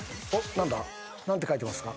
何て書いてますか？